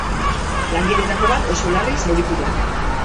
Langiletako bat oso larri zauritu da.